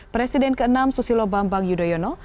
presiden ke enam susilo bambang yudhoyono